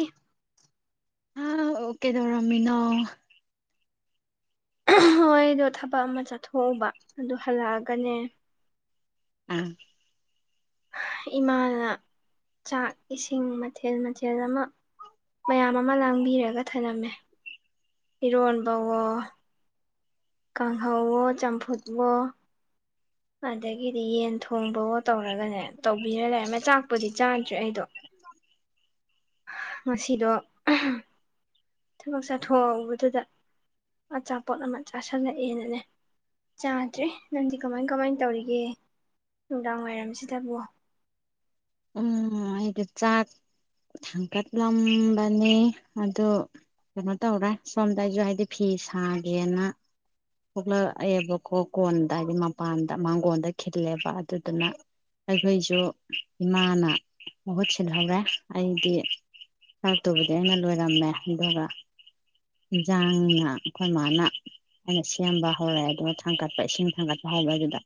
ꯑꯦ ꯑ ꯑꯣꯀꯦ ꯇ ꯔꯃꯤꯅꯥ ꯍꯣꯏꯗꯣ ꯊꯕꯛ ꯑꯃ ꯆꯠꯊꯣꯛꯎꯕ ꯑꯗꯨ ꯍꯜꯂꯛꯑꯒꯅꯦ ꯑꯥ ꯏꯃꯥꯅ ꯆꯥꯛ ꯏꯁꯤꯡ ꯃꯊꯦꯜ ꯃꯊꯦꯜ ꯑꯃ ꯃꯌꯥꯝ ꯑꯃ ꯂꯥꯡꯕꯤꯔꯒ ꯊꯝꯂꯝꯃꯦ ꯏꯔꯣꯟꯕꯋ ꯀꯥꯡꯍꯧꯋꯣ ꯆꯝꯐꯨꯠꯋꯣ ꯑꯗꯒꯤꯗꯤ ꯌꯦꯟ ꯊꯣꯡꯕꯒꯣ ꯇꯧꯔꯒꯅꯦ ꯇꯧꯕꯤꯔ ꯂꯩꯔꯦ ꯃꯆꯥꯛꯄꯨꯗꯤ ꯆꯥꯗ꯭ꯔꯦ ꯑꯩꯗꯣ ꯉꯁꯤꯗꯣ ꯊꯕꯛ ꯆꯥꯊꯣꯛ ꯑꯗꯨꯗ ꯑꯆꯥꯄꯣꯠ ꯑꯃ ꯆꯥꯥꯁꯜꯂꯛꯑꯦꯅꯅꯦ ꯆꯥꯗ꯭ꯔꯦ ꯅꯪꯗꯤ ꯀꯃꯥꯏꯅ ꯀꯃꯥꯏꯅ ꯇꯧꯔꯤꯒꯦ ꯅꯨꯡꯗꯥꯡꯋꯥꯏꯔꯝꯁꯤꯗꯕꯣ ꯎꯝ ꯑꯩꯗꯤ ꯆꯥꯛ ꯊꯥꯡꯀꯠꯂꯝꯕꯅꯤ ꯑꯗꯨ ꯀꯩꯅꯣ ꯇꯧꯔꯦ ꯁꯣꯝꯗ ꯑꯩꯁꯨ ꯍꯥꯏꯗꯤ ꯐꯤ ꯁꯥꯒꯦꯅ ꯄꯣꯛꯂꯛꯑꯦꯕꯀꯣ ꯀꯣꯟꯗ ꯍꯥꯏꯕꯗꯤ ꯃꯄꯥꯟꯗ ꯃꯥꯡꯒꯣꯟꯜꯗ ꯈꯤꯜꯂꯦꯕ ꯑꯗꯨꯗꯨꯅ ꯑꯩꯈꯣꯏꯁꯨ ꯏꯃꯥꯅ ꯃꯍꯨꯠ ꯁꯤꯜꯍꯧꯔꯦ ꯑꯩꯗꯤ ꯆꯔꯛꯇꯨꯕꯗꯤ ꯑꯩꯅ ꯂꯣꯏꯔꯝꯃꯦ ꯑꯗꯨꯒ ꯏꯟꯖꯥꯡꯅ ꯑꯩꯈꯣꯏ ꯃꯥꯅ ꯑꯩꯅ ꯁꯦꯝꯕ ꯍꯧꯔꯛꯦ ꯑꯗꯨꯒ ꯊꯥꯡꯒꯠꯄ ꯏꯁꯤꯡ ꯊꯥꯡꯒꯠꯄ ꯍꯧꯔꯦ ꯑꯗꯨꯗ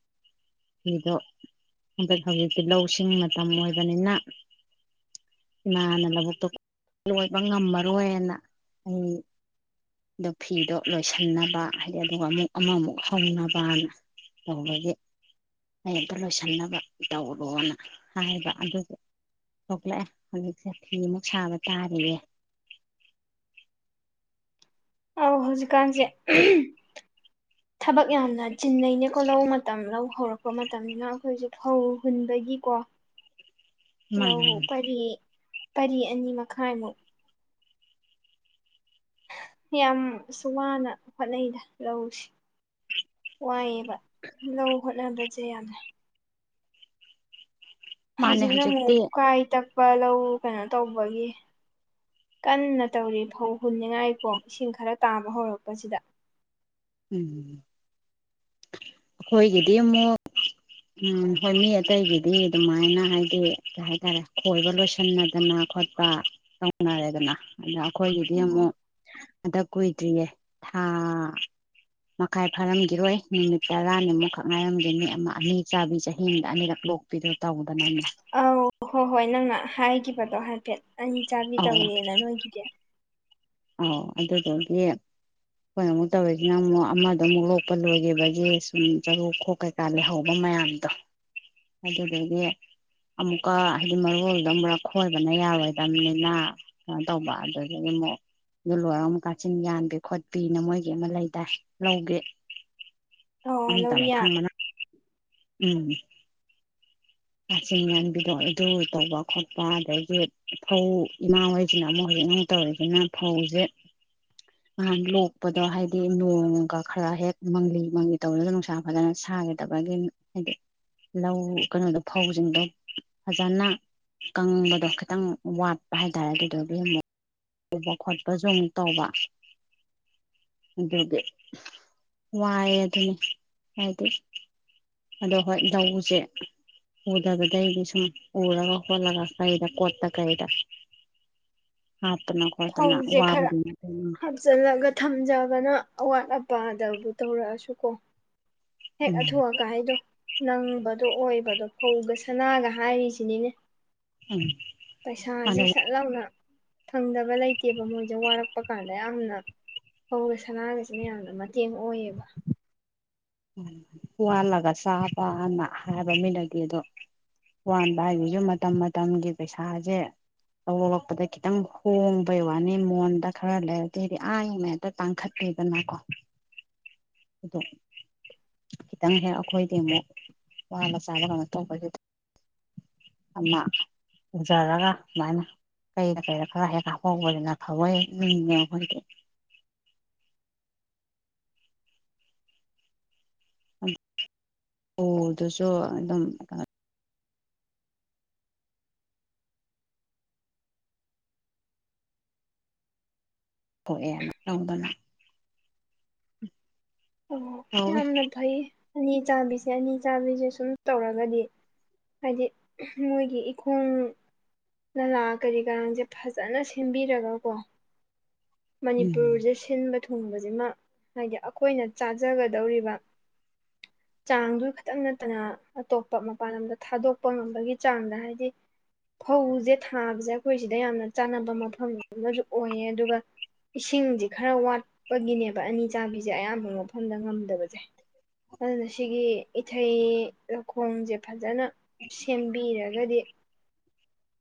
ꯐꯤꯗꯣ ꯍꯧꯖꯤꯛꯇꯤ ꯂꯧꯁꯤꯡ ꯃꯇꯝ ꯑꯣꯏꯕꯅꯤꯅ ꯏꯅꯥꯅ ꯂꯧꯕꯨꯛꯇꯣ ꯂꯣꯏꯕ ꯉꯝꯃꯔꯣꯏꯅ ꯑꯩꯗꯣ ꯐꯤꯗꯣ ꯂꯣꯏꯁꯤꯟꯅꯕ ꯍꯥꯏꯗꯤ ꯑꯗꯨꯒ ꯑꯃꯨꯛ ꯑꯃꯃꯨꯛ ꯍꯧꯅꯕꯅ ꯇꯧꯕꯒꯤ ꯀ ꯑꯝꯇ ꯂꯣꯏꯁꯤꯟꯅꯕ ꯇꯧꯔꯣꯅ ꯍꯥꯏꯕ ꯑꯗꯨꯁꯨ ꯊꯣꯛꯂꯛꯑꯦ ꯍꯧꯖꯤꯛꯁꯊꯤ ꯑꯃꯨꯛ ꯁꯥꯕ ꯇꯥꯔꯌꯦꯦ ꯑꯧ ꯍꯧꯖꯤꯛꯀꯥꯟꯁꯦ ꯊꯕꯛ ꯌꯥꯝꯅ ꯆꯤꯟꯅꯩꯅꯦꯀꯣ ꯂꯧ ꯃꯇꯝ ꯂꯧ ꯍꯧꯔꯛꯄ ꯃꯇꯝꯅꯤꯅ ꯑꯩꯈꯣꯏꯁꯦ ꯐꯧ ꯍꯨꯟꯕꯒꯤꯀꯣ ꯂ ꯃꯥꯅꯦ ꯐꯔꯤꯦ ꯄꯔꯤ ꯑꯅꯤ ꯃꯈꯥꯏꯃꯨꯛ ꯌꯥꯝꯁꯨ ꯋꯥꯅ ꯍꯣꯠꯅꯩꯗ ꯂꯧꯁꯤꯦ ꯋꯥꯏꯌꯦ ꯂꯣꯠꯂꯗ꯭ꯔ ꯖꯦꯗꯦ ꯃꯥꯅꯦ ꯍꯧꯖꯤꯛꯅ ꯑꯃꯨꯛ ꯍꯧꯖꯤꯛꯇꯤ ꯀꯥꯏ ꯇꯛ ꯑꯛꯄ ꯂꯧ ꯀꯩꯅꯣ ꯇꯧꯕꯒꯤ ꯀꯟꯅ ꯇꯧꯔꯤ ꯐꯧ ꯍꯨꯟꯅꯤꯉꯥꯏꯀꯣ ꯏꯁꯤꯡ ꯈꯔ ꯇꯥꯕ ꯍꯧꯔꯛꯄꯁꯤꯗ ꯎꯝ ꯑꯩꯈꯣꯏꯒꯤꯗꯤ ꯑꯃꯨꯛ ꯎꯝ ꯍꯣꯏ ꯃꯤ ꯑꯇꯩꯒꯤꯗꯤ ꯑꯗꯨꯃꯥꯏꯅ ꯍꯥꯏꯗꯤ ꯀꯩ ꯍꯥꯏꯇꯥꯔꯦ ꯈꯣꯏꯕ ꯂꯣꯏꯁꯤꯟꯅꯗꯅ ꯈꯣꯠꯄ ꯇꯧꯅꯔꯦꯗꯅ ꯑ ꯀꯣꯏꯒꯤꯗꯤꯃꯣ ꯑꯗ ꯀꯣꯏꯗ꯭ꯔꯤꯌꯦ ꯍꯥꯥ ꯃꯈꯥꯏ ꯐꯥꯔꯝꯈꯤꯔꯣꯏ ꯅꯨꯃꯤꯠ ꯇꯔꯥꯅꯤꯃꯨꯛꯈꯛ ꯉꯥꯏꯔꯝꯗꯦ ꯃꯤ ꯑꯃ ꯑꯅꯤ ꯆꯥꯕꯤ ꯆꯍꯤꯗ ꯑꯅꯤꯔꯛ ꯂꯣꯛꯄꯤꯔꯣ ꯇꯧꯕꯗꯅꯅꯤ ꯑꯧ ꯍꯣꯏ ꯍꯣꯏ ꯅꯪꯅ ꯍꯥꯏꯈꯤꯕꯗꯣ ꯍꯥꯏꯐꯦꯠ ꯑꯅꯤ ꯆꯥꯕꯤ ꯇꯧꯋꯦꯅ ꯅꯣꯏꯒꯤꯗꯤ ꯑ ꯑꯗꯨꯗꯒꯤ ꯑꯩꯈꯣꯏꯩꯅ ꯑꯃꯨꯛ ꯇꯧꯔꯤꯁꯤꯅꯪ ꯑꯃꯨꯛ ꯑꯃꯗ ꯑꯃꯨꯛ ꯂꯣꯛꯄ ꯂꯣꯏꯈꯤꯕꯒꯤ ꯁꯨꯝ ꯆꯔꯨ ꯈꯣꯛ ꯀꯩꯀꯥ ꯂꯩꯍꯧꯕ ꯃꯌꯥꯝꯗꯣ ꯑꯗꯨꯗꯒꯤ ꯑꯃꯨꯛꯀ ꯍꯥꯏꯗꯤ ꯃꯔꯣꯜꯗꯣ ꯑꯃꯨꯛ ꯈꯣꯏꯕꯅ ꯌꯥꯔꯣꯏꯗꯕꯅꯤꯅ ꯀꯩꯅꯣ ꯇꯧꯕ ꯑꯗꯨꯗꯒꯤ ꯑꯃꯨꯛ ꯑꯗꯨ ꯂꯣꯏꯔ ꯑꯃ ꯀꯥꯆꯤꯟ ꯌꯥꯟꯕꯤ ꯈꯣꯠꯄꯤꯅ ꯃꯣꯏꯒꯤ ꯑꯃ ꯂꯩꯗꯥꯏ ꯂꯧꯒꯦ ꯑꯣ ꯑ ꯇꯔ ꯂꯧꯔꯤꯌꯥ ꯊꯪꯃꯅ ꯎꯝ ꯀꯥꯆꯤꯟ ꯉꯟꯕꯤꯗꯣ ꯑꯗꯨ ꯇꯧꯕ ꯈꯣꯠꯄ ꯑꯗꯒꯤ ꯐꯧ ꯏꯃꯥ ꯍꯣꯏꯁꯤꯅ ꯑꯃꯨꯛ ꯍꯧꯖꯤꯛ ꯑꯃ ꯇꯧꯔꯤꯁꯤꯅ ꯐꯧꯁꯦ ꯅꯍꯥꯟ ꯂꯣꯛꯄꯗꯣ ꯍꯥꯏꯗꯤ ꯅꯣꯡꯒ ꯈꯔ ꯍꯦꯛ ꯃꯪꯂꯤ ꯃꯪꯂꯤ ꯇꯧꯔꯒ ꯅꯨꯡꯁꯥ ꯐꯖꯅ ꯁꯥꯒꯗꯕꯒꯤ ꯍꯥꯏꯗꯤ ꯂꯧ ꯀꯩꯅꯣꯗꯣ ꯐꯧꯁꯤꯡꯗꯣ ꯐꯖꯅ ꯀꯪꯕꯗꯣ ꯈꯤꯇꯪ ꯋꯥꯠꯄ ꯍꯥꯏꯇꯥꯔꯦ ꯑꯗꯨꯗꯨ ꯑꯗꯨ ꯎꯕ ꯈꯣꯠꯄꯁꯨ ꯑꯃꯨꯛ ꯇꯧꯕ ꯑꯗꯨꯗꯤ ꯋꯥꯏꯑꯦ ꯑꯗꯨꯅꯤ ꯍꯥꯏꯗꯤ ꯑꯗꯣ ꯍꯣꯏ ꯧꯁꯦ ꯎꯗꯕꯗꯩꯗꯤ ꯁꯨꯝ ꯎꯔꯒ ꯈꯣꯠꯂꯒ ꯀꯩꯗ ꯀꯣꯠꯇ ꯀꯩꯗ ꯍꯥꯞꯄ ꯐꯧꯁꯦ ꯈꯔ ꯍꯥꯞꯆꯤꯜꯂꯒ ꯊꯝꯖꯕꯅ ꯑꯋꯥꯠ ꯑ ꯅꯨꯄꯥꯗꯕꯨ ꯇꯧꯔꯛꯑꯁꯨ ꯀꯣ ꯍꯦꯛ ꯎꯝ ꯑꯊꯣꯛꯑꯒ ꯍꯥꯏꯗꯣ ꯅꯪꯕꯗꯣ ꯑꯣꯏꯕꯗꯣ ꯐꯧꯒ ꯁꯅꯥꯒ ꯍꯥꯏꯔꯤꯁꯤꯅꯤꯅꯦ ꯎꯝ ꯄꯩꯁꯥꯁꯦ ꯃꯥꯅ ꯁꯠꯂꯥꯎꯅ ꯐꯪꯗꯕ ꯂꯩꯇꯦꯕ ꯃꯣꯏꯁꯦ ꯋꯥꯔꯛꯄ ꯀꯥꯟꯗ ꯌꯥꯝꯅ ꯐꯧꯗ ꯁꯅꯥꯒꯁꯤꯅ ꯌꯥꯝꯅ ꯃꯇꯦꯡ ꯑꯣꯏꯌꯦꯕ ꯋꯥꯜꯂꯒ ꯆꯥ ꯄꯑꯅ ꯍꯥꯏꯕ ꯃꯤꯅꯗꯤ ꯑꯗꯣ ꯋꯥꯟꯕ ꯍꯥꯏꯁꯤꯁꯨ ꯃꯇꯝ ꯃꯇꯝꯒꯤ ꯄꯩꯁꯥꯁꯦ ꯂꯧꯔꯂꯛꯄꯗ ꯈꯤꯇꯪ ꯍꯣꯡꯕꯩ ꯋꯥꯅꯤ ꯃꯣꯟꯗ ꯈꯔ ꯂꯩꯔꯗꯤ ꯍꯥꯏꯗꯤ ꯑꯉꯉ ꯍꯦꯇ ꯇꯥꯡꯈꯠꯄꯤꯦꯗꯅꯀꯣ ꯑꯗꯨ ꯈꯤꯇꯪ ꯍꯦꯛ ꯑꯩꯈꯣꯏꯗꯤ ꯑꯃꯨꯛ ꯋꯥꯕ ꯆꯥꯕ ꯀꯩꯅꯣ ꯇꯧꯕꯁꯤꯗ ꯑꯃ ꯎꯖꯔꯒ ꯑꯗꯨꯃꯥꯏꯅ ꯀꯩꯗ ꯀꯩꯔ ꯈꯔ ꯍꯦꯛ ꯍꯥꯞꯍꯧꯕꯁꯤꯅ ꯐꯋꯏ ꯍꯦꯛꯉ ꯑꯩꯈꯣꯏꯗꯤ ꯑꯣ ꯑꯗꯨꯁꯨ ꯑꯗꯨꯝ ꯍꯑꯦ ꯌꯥꯝ ꯇꯧꯗꯅ ꯑꯣ ꯇꯧꯋꯤ ꯌꯥꯝꯅ ꯊꯏꯌꯦ ꯑꯅꯤ ꯆꯥꯕꯤꯁꯦ ꯑꯅꯤ ꯆꯥꯕꯤꯁꯦ ꯁꯨꯝ ꯇꯧꯔꯒꯗꯤ ꯍꯥꯏꯗꯤ ꯃꯣꯏꯒꯤ ꯏꯈꯣꯡ ꯅꯂꯥ ꯀꯔꯤ ꯀꯔꯥꯡꯁꯦ ꯐꯖꯅ ꯁꯦꯝꯕꯤꯔꯒꯀꯣ ꯎꯝ ꯃꯅꯤꯄꯨꯔꯁꯦ ꯁꯤꯟꯕ ꯊꯨꯡꯕꯁꯤꯃ ꯍꯥꯏꯗꯤ ꯑꯩꯈꯣꯏꯅ ꯆꯥꯖꯒꯗꯧꯔꯤꯕ ꯆꯥꯡꯗꯨ ꯈꯈꯤꯇꯪ ꯅꯠꯇꯅ ꯑꯇꯣꯞꯄ ꯃꯄꯥꯟ ꯂꯝꯗ ꯊꯥꯗꯣꯛꯄ ꯉꯝꯕꯒꯤ ꯆꯥꯡꯗ ꯍꯥꯏꯗꯤ ꯐꯧꯁꯦ ꯊꯥꯕꯁꯦ ꯑꯩꯈꯣꯏ ꯁꯤꯗ ꯌꯥꯝꯅ ꯆꯥꯟꯅꯕ ꯃꯐꯝ ꯑꯃꯁꯨ ꯑꯣꯏꯌꯦ ꯑꯗꯨꯒ ꯏꯁꯤꯡꯁꯦ ꯈꯔ ꯋꯥꯠꯄꯒꯤꯅꯦꯕ ꯑꯅꯤ ꯆꯥꯕꯤꯁꯦ ꯑꯌꯥꯝꯕ ꯃꯐꯝꯗ ꯉꯝꯗꯕꯁꯦ ꯑꯗꯨꯅ ꯁꯤꯒꯤ ꯏꯊꯩ ꯂꯧꯈꯣꯡꯁꯦ ꯐꯖꯅ ꯁꯦꯝꯕꯤꯔꯒꯗꯤ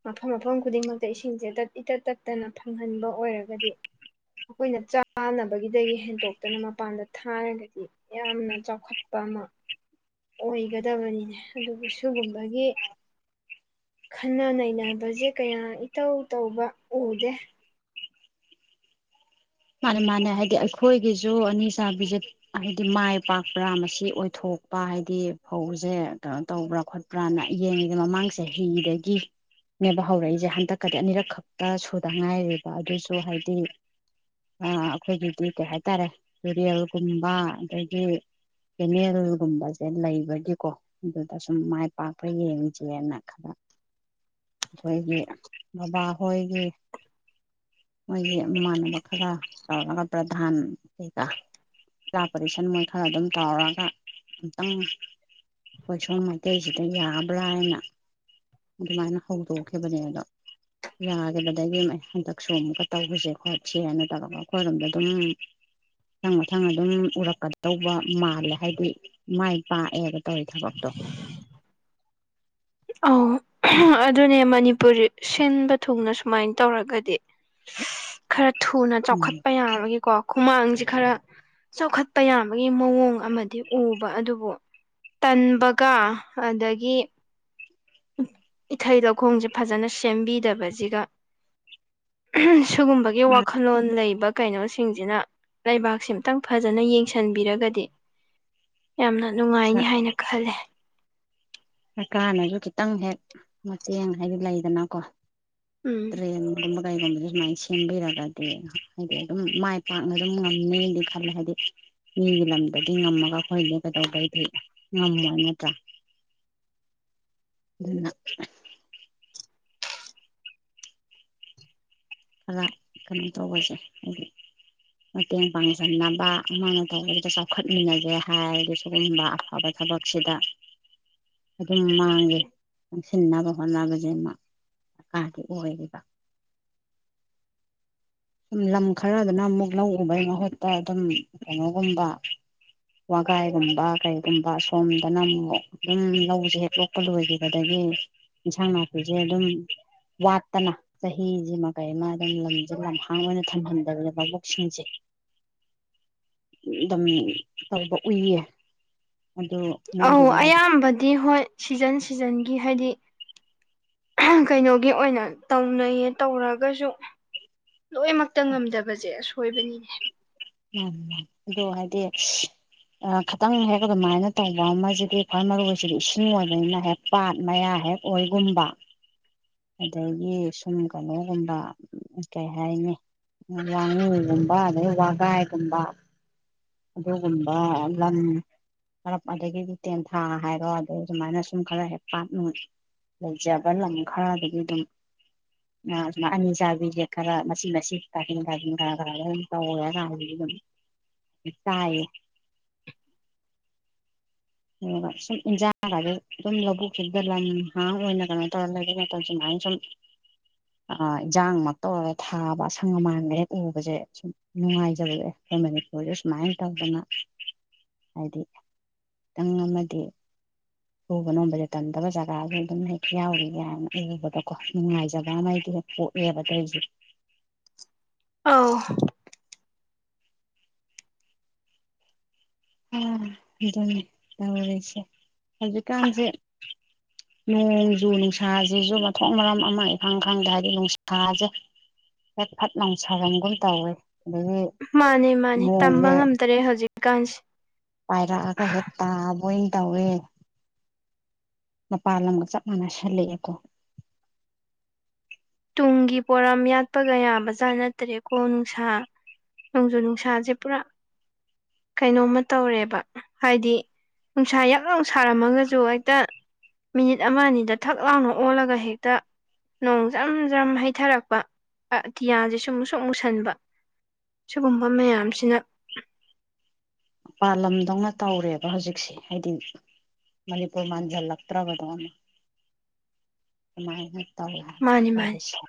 ꯃꯐꯝ ꯃꯐꯝ ꯈꯨꯗꯤꯡꯃꯛꯇ ꯏꯁꯤꯡꯁꯦ ꯇꯠ ꯏꯇꯠ ꯇꯠꯇꯅ ꯐꯪꯍꯟꯕ ꯑꯣꯏꯔꯒꯗꯤ ꯑꯩꯈꯣꯏꯅ ꯆꯥꯅꯕꯒꯤꯗꯒꯤ ꯍꯦꯟꯅ ꯗꯣꯛꯇꯔꯅ ꯃꯄꯥꯟꯗ ꯊꯥꯔꯒꯗꯤ ꯌꯥꯝꯅ ꯆꯥꯎꯈꯠꯄ ꯑꯃ ꯑꯣꯏꯒꯗꯕꯅꯤꯅꯦ ꯑꯗꯨꯕꯨ ꯁꯤꯨꯒꯨꯝꯕꯒꯤ ꯈꯟꯅ ꯅꯩꯅꯕꯁꯦ ꯀꯌꯥ ꯏꯇꯧ ꯇꯧꯕ ꯎꯗꯦ ꯃꯥꯅꯦ ꯃꯥꯅꯦ ꯍꯥꯏꯗꯤ ꯑꯩꯈꯣꯏꯒꯤꯁꯨ ꯑꯅꯤ ꯆꯥꯕꯤꯁꯦ ꯍꯥꯏꯗꯤ ꯃꯥꯏ ꯄꯥꯛꯄ꯭ꯔꯥ ꯃꯁꯤ ꯑꯣꯏꯊꯣꯛꯄ ꯍꯥꯏꯗꯤ ꯐꯧꯁꯦ ꯀꯩꯅꯣ ꯇꯧꯕ꯭ꯔꯥ ꯈꯣꯠꯄ꯭ꯔꯥꯅ ꯌꯦꯡꯉꯤꯗ ꯃꯃꯥꯡꯁꯦ ꯍꯤꯗꯒꯤꯅꯦꯕ ꯍꯧꯔꯛꯏꯁꯦ ꯍꯟꯗꯛꯀꯗꯤ ꯑꯅꯤꯔꯛ ꯈꯛꯇ ꯁꯨꯗ ꯉꯥꯏꯔꯦꯕ ꯑꯗꯨꯁꯨ ꯍꯥꯏꯗꯤ ꯑꯩꯈꯣꯏꯒꯤꯗꯤ ꯀꯩ ꯍꯥꯏꯇꯥꯔꯦ ꯇꯨꯔꯦꯜꯒꯨꯝꯕ ꯑꯗꯒꯤ ꯀꯦꯅꯦꯜꯒꯨꯝꯕꯁꯦ ꯂꯩꯕꯒꯤꯀꯣ ꯑꯗꯨꯗ ꯁꯨꯝ ꯃꯥꯏ ꯄꯥꯛꯄ ꯌꯦꯡꯁꯦꯅ ꯈꯔ ꯑꯩꯈꯣꯏꯒꯤ ꯕꯕꯥꯍꯣꯏꯒꯤ ꯃꯣꯏꯒꯤ ꯏꯃꯥꯟꯅꯕ ꯈꯔ ꯇꯧꯔꯒ ꯄ꯭ꯔꯙꯥꯟ ꯀꯩꯀꯥ ꯆꯥ ꯄꯔꯤꯦꯁꯟ ꯃꯣꯏ ꯈꯔ ꯑꯗꯨꯝ ꯇꯧꯔꯒ ꯑꯃꯨꯛꯇꯪ ꯑꯩꯈꯣꯏꯁꯣꯟ ꯃꯩꯇꯩꯁꯤꯗ ꯌꯥꯕ꯭ꯔꯥ ꯍꯥꯏꯅ ꯑꯗꯨꯃꯥꯏꯅ ꯍꯧꯗꯣꯛꯈꯤꯕꯅꯦ ꯑꯗꯣ ꯌꯥꯈꯤꯕꯗꯒꯤ ꯍꯟꯗꯛꯁꯨ ꯑꯃꯨꯛꯀ ꯇꯧꯕꯁꯦ ꯈꯣꯠ ꯁꯔ ꯅꯠꯇ꯭ꯔꯒ ꯑꯩꯈꯣꯏꯔꯣꯝꯗ ꯑꯗꯨꯝ ꯃꯊꯪ ꯃꯊꯪ ꯑꯗꯨꯝ ꯎꯔꯛꯀꯗꯗꯧꯕ ꯃꯥꯜꯂꯦ ꯍꯥꯏꯗꯤ ꯃꯥꯏ ꯄꯥꯛꯑꯦꯕ ꯇꯔꯤ ꯊꯕꯥꯛ ꯇꯣ ꯑ ꯑꯗꯨꯅꯦ ꯃꯅꯤꯄꯨꯔꯤ ꯁꯤꯟꯕ ꯊꯨꯡꯅ ꯁꯨꯃꯥꯏꯅ ꯇꯧꯔꯒꯗꯤ ꯈꯔ ꯊꯨꯅ ꯎꯝ ꯆꯥꯎꯈꯠꯄ ꯌꯥꯕꯒꯤꯦꯀꯣ ꯍꯨꯃꯥꯡꯁꯦ ꯈꯔ ꯆꯥꯎꯈꯠꯄ ꯌꯥꯕꯒꯤ ꯃꯑꯣꯡ ꯑꯃꯗꯤ ꯎꯕ ꯑꯗꯨꯕꯨ ꯇꯟꯕꯒ ꯑꯗꯒꯤ ꯏꯊꯩ ꯂꯧꯈꯣꯡꯁꯦ ꯐꯖꯅ ꯁꯦꯝꯕꯤꯗꯕꯁꯤꯒ ꯁꯤꯒꯨꯝꯕꯒꯤ ꯋꯥꯈꯜꯂꯣꯟ ꯂꯩꯕ ꯀꯩꯅꯣꯁꯤꯡꯁꯤꯅ ꯂꯩꯕꯥꯛꯁꯤ ꯑꯇꯪ ꯐꯖꯅ ꯌꯦꯡꯁꯤꯟꯕꯤꯔꯒꯗꯤ ꯌꯥꯝꯅ ꯅꯨꯡꯉꯥꯏꯅꯤ ꯍꯥꯏꯅ ꯈꯂꯦ ꯀꯥꯟꯅꯁꯨ ꯈꯤꯇꯪ ꯍꯦꯛ ꯃ ꯌꯦꯡ ꯍꯥꯏꯂ ꯏꯗꯅ ꯀ ꯎꯝ ꯇ꯭ꯔꯦꯟ ꯀꯩꯒꯨꯝꯕꯗ ꯁꯨꯃꯥꯏꯅ ꯁꯦꯝꯕꯤꯔꯒꯗꯤ ꯍꯥꯏꯗꯤ ꯑꯗꯨꯝ ꯃꯥꯏ ꯄꯥꯛꯅ ꯑꯗꯨꯝ ꯉꯝꯅꯤꯗꯤ ꯈꯜꯂꯦ ꯍꯥꯏꯗꯤ ꯃꯤꯒꯤ ꯂꯝꯗꯗꯤ ꯉꯝꯃꯒ ꯑꯩꯈꯣꯏꯗꯤ ꯀꯩꯗꯒꯩꯗꯤ ꯉꯝꯃꯣꯏ ꯅꯠꯇ꯭ꯔꯥ ꯑꯗꯨꯅ ꯈꯔ ꯀꯩꯅꯣ ꯇꯧꯕꯁꯦ ꯍꯥꯏꯗꯤ ꯃꯇꯦꯡ ꯄꯥꯡꯁꯤꯟꯅꯕ ꯑꯃꯥꯡꯅ ꯇꯧꯕꯗꯨꯗ ꯆꯥꯎꯈꯠꯃꯤꯟꯅꯒꯦ ꯍꯥꯏꯔꯗꯤ ꯁꯤꯒꯨꯝꯕ ꯑꯐꯕ ꯊꯕꯛꯁꯤꯗ ꯑꯗꯨꯝ ꯃꯥꯡꯉꯦ ꯆꯪꯁꯤꯟꯅꯕ ꯍꯣꯠꯅꯕꯁꯦꯃ ꯁꯀꯥꯗꯤ ꯑꯣꯏꯔꯤꯕ ꯁꯨꯝ ꯂꯝ ꯈꯔꯗꯅ ꯑꯃꯨꯛ ꯂꯧꯒꯨꯝꯕꯩ ꯃꯍꯨꯠꯇ ꯑꯗꯨꯝ ꯀꯩꯅꯣꯒꯨꯝꯕ ꯋꯥꯒꯥꯏꯒꯨꯝꯕ ꯀꯩꯒꯨꯝꯕ ꯁꯣꯝꯗꯅ ꯑꯃꯨꯛ ꯑꯗꯨꯝ ꯂꯧꯁꯦ ꯍꯦꯛ ꯂꯣꯛꯄ ꯂꯣꯏꯈꯤꯕꯗꯒꯤ ꯏꯟꯁꯥꯡ ꯅꯥꯄꯤꯁꯦ ꯑꯗꯨꯝ ꯋꯥꯠꯇꯅ ꯆꯍꯤꯁꯤꯃ ꯀꯩ ꯑꯃ ꯑꯗꯨꯝ ꯂꯝꯁꯤꯜꯂꯝ ꯑꯉꯥꯡ ꯑꯣꯏꯅ ꯊꯝꯍꯟꯗꯕꯗ ꯚꯕꯣꯛꯁꯤꯡꯁꯦ ꯑꯗꯨꯝ ꯇꯧꯕ ꯎꯏꯌꯦ ꯑꯗꯨ ꯑꯧ ꯃꯣꯏꯒꯤꯗꯣ ꯍꯥꯏꯗꯤ ꯑꯌꯥꯝꯕꯗꯤ ꯍꯣꯏ ꯁꯤꯖꯟ ꯁꯤꯖꯟꯒꯤ ꯍꯥꯏꯗꯤ ꯀꯩꯅꯣꯒꯤ ꯑꯣꯏꯅ ꯇꯧꯅꯩꯌꯦ ꯇꯧꯔꯒꯁꯨ ꯂꯣꯏꯅꯃꯛꯇ ꯉꯝꯗꯕꯁꯦ ꯑ ꯍꯣꯏꯕꯅꯤꯅꯦ ꯎꯝ ꯑꯗꯨ ꯍꯥꯏꯗꯤ ꯈꯤꯇꯪ ꯍꯦꯛ ꯑꯗꯨꯃꯥꯏꯅ ꯇꯧꯕ ꯑꯃꯁꯤꯗꯤ ꯈ꯭ꯋꯥꯏ ꯃꯔꯨꯁꯤꯗꯤ ꯏꯁꯤꯡ ꯑꯣꯏꯕꯅꯤꯅ ꯍꯦꯛ ꯄꯥꯠ ꯃꯌꯥ ꯍꯦꯛ ꯑꯣꯏꯒꯨꯝꯕ ꯑꯗꯒꯤ ꯁꯨꯝ ꯀꯩꯅꯣꯒꯨꯝꯕ ꯀꯩ ꯍꯥꯏꯅꯤ ꯋꯥꯉꯨꯒꯨꯝꯕ ꯑꯗꯗꯒꯤ ꯋꯥꯒꯥꯏꯒꯨꯝꯕ ꯑꯗꯨꯒꯨꯝꯕ ꯂꯪ ꯈꯔꯞ ꯑꯗꯒꯤꯗꯤ ꯇꯦꯟꯊꯥ ꯍꯥꯏꯔꯣ ꯑꯗꯨ ꯑꯗꯨꯃꯥꯏꯅ ꯁꯨꯝ ꯈꯔ ꯍꯦꯛ ꯄꯥꯥꯛꯅ ꯂꯩꯖꯕ ꯂꯪ ꯈꯔꯗꯒꯤ ꯑꯗꯨꯝ ꯁꯨꯃꯥꯏ ꯑꯅꯤ ꯆꯥꯕꯤꯁꯦ ꯈꯔ ꯃꯆꯤ ꯃꯆꯤ ꯀꯥꯊꯤꯟ ꯀꯥꯊꯤꯟ ꯈꯔ ꯈꯔꯗ ꯑꯗꯨꯝ ꯇꯧꯔꯒꯗꯒꯤ ꯑꯗꯨꯝ ꯆꯥꯏꯌꯦ ꯑꯗꯨꯒ ꯁꯨꯝ ꯏꯟꯖꯥꯡ ꯍꯥꯏꯗ ꯑꯗꯨꯨꯝ ꯂꯧꯕꯨꯛꯁꯤꯗ ꯂꯟꯍꯥꯡ ꯑꯣꯏꯅ ꯀꯩꯅꯣ ꯇꯧꯔ ꯂꯩꯕ ꯃꯇꯝ ꯁꯨꯃꯥꯏꯅ ꯁꯨꯝ ꯏꯟꯖꯥꯡꯃꯛꯇꯧꯔꯒ ꯊꯥꯕ ꯑꯁꯪ ꯑꯃꯥꯟꯒ ꯍꯦꯛ ꯎꯕꯁꯦ ꯁꯨꯝ ꯅꯨꯡꯉꯥꯏꯖꯕꯗꯦ ꯑꯩꯈꯣꯏ ꯃꯅꯤꯄꯨꯔꯗ ꯁꯨꯃꯥꯏꯅ ꯇꯧꯗꯅ ꯍꯥꯏꯗꯤ ꯈꯤꯇꯪ ꯑꯃꯗꯤ ꯎꯕ ꯅꯣꯝꯕꯗ ꯇꯝꯗꯕ ꯖꯒꯥꯁꯨ ꯑꯗꯨꯝ ꯍꯦꯛ ꯌꯥꯎꯔꯤꯒ ꯎꯕꯗꯀꯣ ꯅꯨꯡꯉꯥꯏꯖꯕ ꯑꯃꯗꯤꯗꯤ ꯍꯦꯛ ꯄꯣꯛꯑꯦꯕ ꯑꯗꯁꯦ ꯑ ꯑ ꯑꯗꯨꯅꯤ ꯇꯧꯔꯤꯁꯦ ꯍꯧꯖꯤꯛꯀꯥꯟꯁꯦ ꯅꯣꯡꯖꯨ ꯅꯨꯡꯁꯥꯁꯤꯁꯨ ꯃꯊꯣꯛ ꯃꯔꯝ ꯑꯃ ꯏꯈꯪꯈꯪꯗ ꯍꯥꯏꯕꯗꯤ ꯅꯨꯡꯁꯥꯁꯦ ꯐꯠ ꯐꯠ ꯅꯨꯡꯁꯥꯐꯝꯒꯨꯝ ꯇꯧꯋꯦ ꯑꯗꯒꯤ ꯃꯥꯅꯦ ꯃꯥꯅꯦ ꯇꯝꯕ ꯅꯣꯡꯁꯦ ꯉꯝꯗ꯭ꯔꯦ ꯍꯧꯖꯤꯛ ꯑꯀꯥꯟꯁ ꯄꯥꯏꯔꯛꯑꯒ ꯍꯦꯛ ꯇꯥꯕ ꯑꯣꯏꯅ ꯇꯧꯋꯦ ꯃꯄꯜ ꯂꯝꯒ ꯆꯞ ꯃꯥꯟꯅꯁꯜꯂꯛꯑꯦꯀꯣ ꯇꯨꯡꯒꯤ ꯄꯣꯔꯥꯝ ꯌꯥꯠꯄꯒ ꯌꯥꯕꯖꯥꯠ ꯅꯠꯇ꯭ꯔꯦꯀꯣ ꯅꯨꯡꯁꯥ ꯅꯣꯡꯖꯨ ꯅꯨꯡꯁꯥꯁꯦ ꯄꯨꯔꯥ ꯀꯩꯅꯣꯝꯃ ꯇꯧꯔꯦꯕ ꯍꯥꯏꯗꯤ ꯅꯨꯡꯁꯥ ꯌꯥꯛ ꯂꯥꯎ ꯁꯥꯔꯝꯃꯒꯁꯨ ꯍꯦꯛꯇ ꯃꯤꯅꯤꯠ ꯑꯃ ꯑꯅꯤꯗ ꯊꯛ ꯂꯥꯎꯅ ꯑꯣꯜꯂꯒ ꯍꯦꯛꯇ ꯖ꯭ꯔꯝ ꯖ꯭ꯔꯝ ꯍꯩꯊꯔꯛꯄꯇꯤꯌꯥꯁꯦ ꯁꯨꯝ ꯃꯨꯁꯨ ꯃꯨꯁꯟꯕ ꯁꯤꯒꯨꯝꯕ ꯃꯌꯥꯝꯁꯤꯅ ꯄꯥꯟꯂꯝꯗꯧꯅ ꯇꯧꯔꯦꯕ ꯍꯧꯖꯤꯛꯁꯦ ꯍꯥꯏꯗꯤ ꯃꯅꯤꯄꯨꯔ ꯃꯥꯟꯖꯜꯂꯛꯇ꯭ꯔꯕꯗꯣꯅ ꯑꯗꯨꯃꯥꯏꯅ ꯇꯧ ꯃꯥꯅꯤ ꯃꯥꯅꯤ ꯇꯔꯁ